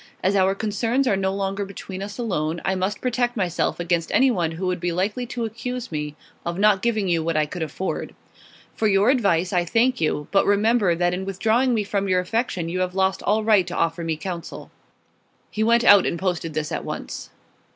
As our concerns are no longer between us alone, I must protect myself against anyone who would be likely to accuse me of not giving you what I could afford. For your advice I thank you, but remember that in withdrawing from me your affection you have lost all right to offer me counsel.' He went out and posted this at once.